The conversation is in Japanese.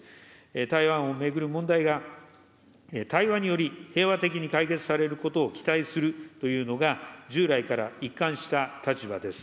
台湾を巡る問題が、対話により平和的に解決されることを期待するというのが、従来から一貫した立場です。